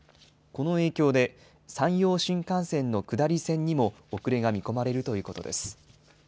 この影響で、山陽新幹線の下り線にも遅れが見込まれるということです。